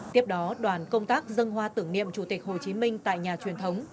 tiếp đó đoàn công tác dân hoa tưởng niệm chủ tịch hồ chí minh tại nhà truyền thống